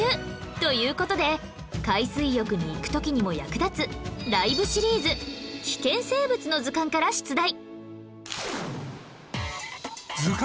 という事で海水浴に行く時にも役立つ『ＬＩＶＥ』シリーズ『危険生物』の図鑑から出題